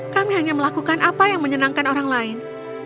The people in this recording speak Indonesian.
kami hanya melakukan apa yang menyenangkan orang lain